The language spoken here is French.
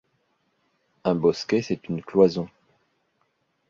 Un bosquet c’est une cloison ;